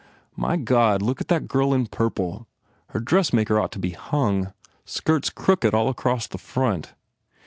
My god, look at that girl in purple. Her dressmaker ought to be hung! Skirt s crooked all across the front."